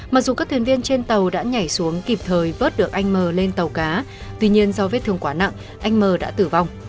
mặc dù các thuyền viên trên tàu đã nhảy xuống kịp thời vớt được anh m lên tàu cá tuy nhiên do vết thương quá nặng anh m đã tử vong